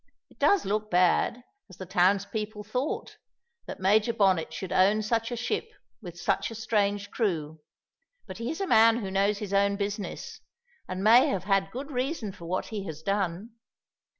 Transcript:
It does look bad, as the townspeople thought, that Major Bonnet should own such a ship with such a strange crew, but he is a man who knows his own business, and may have had good reason for what he has done.